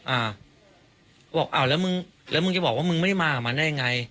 อ้าวบอกอ้าวแล้วมึงแล้วมึงจะบอกว่ามึงไม่ได้มากับมันได้ยังไง